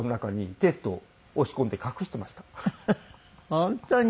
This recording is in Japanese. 本当に？